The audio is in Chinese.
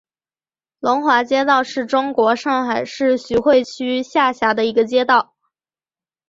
龙华街道是中国上海市徐汇区下辖的一个街道。